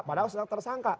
padahal sudah tersangka